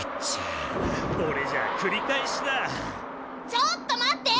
ちょっとまって！